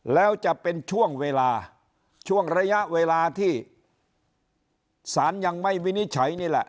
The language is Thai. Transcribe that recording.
แล้วจะเป็นช่วงเวลาช่วงระยะเวลาที่ศาลยังไม่วินิจฉัยนี่แหละ